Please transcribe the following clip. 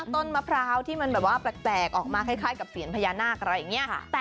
ต้นมะพร้าวที่มันแบบว่าแปลกออกมาคล้ายกับเสียญพญานาคอะไรอย่างนี้